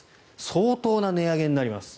相当な値上げになります。